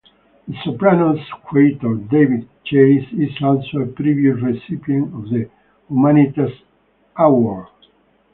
"The Sopranos" creator David Chase is also a previous recipient of the Humanitas award.